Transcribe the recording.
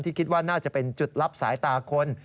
คิดว่าน่าจะเป็นจุดลับสายตาคน